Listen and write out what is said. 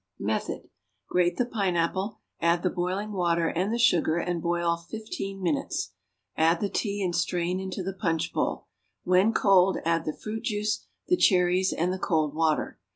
Method. Grate the pineapple, add the boiling water and the sugar, and boil fifteen minutes; add the tea and strain into the punch bowl. When cold add the fruit juice, the cherries and the cold water.